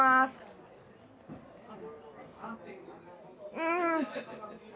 うん！